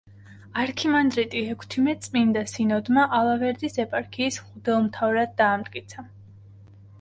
არქიმანდრიტი ექვთიმე წმინდა სინოდმა ალავერდის ეპარქიის მღვდელმთავრად დაამტკიცა.